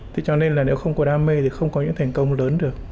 thế cho nên là nếu không có đam mê thì không có những thành công lớn được